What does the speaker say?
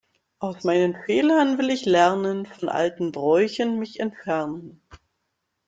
Aus meinen Fehlern will ich lernen, von alten Bräuchen mich entfernen.